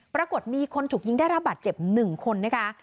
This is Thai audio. ปรากฏมีคนถูกยิงได้รับบาดเจ็บ๑คนนะคะ